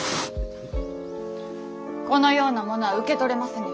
このようなものは受け取れませぬ。